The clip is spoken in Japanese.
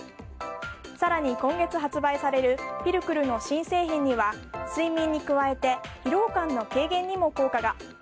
更に、今月発売されるピルクルの新製品には睡眠に加えて疲労感の軽減にも効果が。